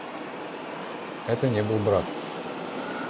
Это не был брат.